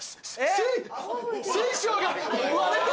す水晶が割れて。